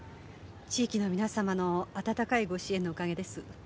地域の皆様の温かいご支援のおかげです。